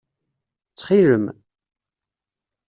Ttxil-m.